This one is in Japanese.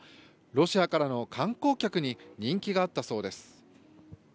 ロシアからの観光客に人気があったそうです。